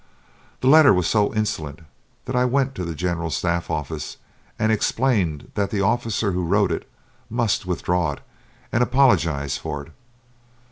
The letter was so insolent that I went to the General Staff Office and explained that the officer who wrote it, must withdraw it, and apologize for it.